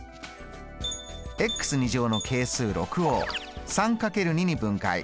の係数６を３×２に分解。